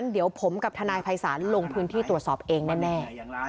เดี๋ยวผมกับทนายภัยศาลลงพื้นที่ตรวจสอบเองแน่